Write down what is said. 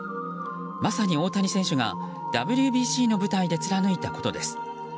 まさに大谷選手がＷＢＣの舞台で貫いたことです。